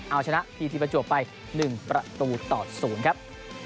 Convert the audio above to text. เอาชนะพีทีประจวบไป๑ประตูต่อ๐ครับ